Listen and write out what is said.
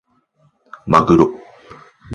まぐろ